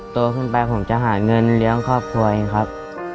โตขึ้นไปผมจะหาเงินเลี้ยงครอบครัวเองครับ